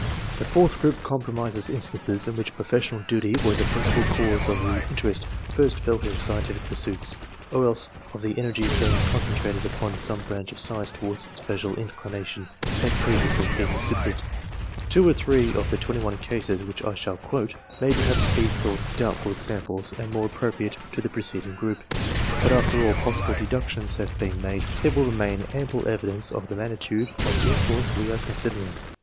The fourtli group comprises instances in which professional duty was a principal cause of the interest first felt in scientific pursuits, or else of the energies being concentrated upon some branch of science towards which no special in clination had previously been exhibited. Two or three, of the 21 cases which I shall quote, may perhaps be thought doubtful examples and more appropriate to the preceding group ; but after all possible deductions have been made, there will remain ample evidence of the magnitude of the influence we are considering.